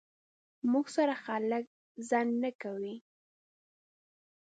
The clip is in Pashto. موټر سره خلک ځنډ نه کوي.